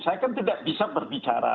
saya kan tidak bisa berbicara